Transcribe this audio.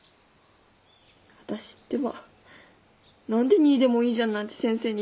あたしってば何で「２位でもいいじゃん」なんて先生に言っちゃったんやろ。